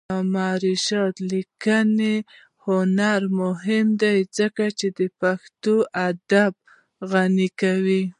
د علامه رشاد لیکنی هنر مهم دی ځکه چې پښتو ادب غني کوي.